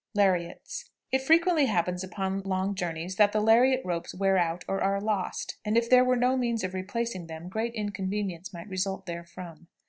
LARIATS. It frequently happens upon long journeys that the lariat ropes wear out or are lost, and if there were no means of replacing them great inconvenience might result therefrom.